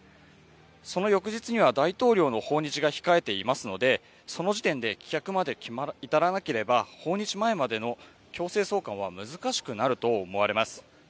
その翌日には大統領の訪日が控えていますのでその時点で棄却まで至らなければ訪日前までの強制送還は難しくなると思われます。